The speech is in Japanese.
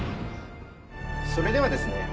それではですね